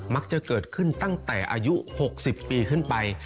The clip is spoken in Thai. มักจะเกิดขึ้นตั้งแต่อายุ๖๐ปีขึ้นไป